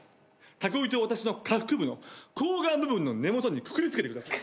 たこ糸を私の下腹部の睾丸部分の根元にくくりつけてください。